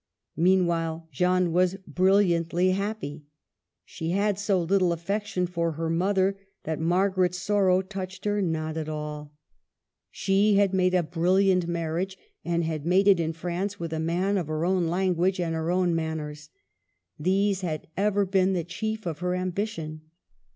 Meanwhile Jeanne was brilliantly happy. She had so little affection for her mother that Margaret's sorrow touched her not at all. She THE END. 305 had made a brilliant marriage, and had made it in France, with a man of her own language and her own manners, — these had ever been the chief of her ambition.